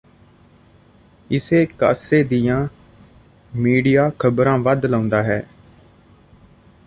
ਇਸੇ ਕਾਸੇ ਦੀਆਂ ਮੀਡੀਆਂ ਖ਼ਬਰਾਂ ਵੱਧ ਲਾਉਂਦਾ ਹੈ